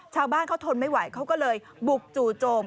ชาวบ้านเขาทนไม่ไหวเขาก็เลยบุกจู่โจม